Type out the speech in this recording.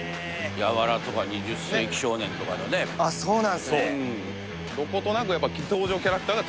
「ＹＡＷＡＲＡ！」とか「２０世紀少年」とかのねあっそうなんすね